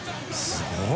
すごい。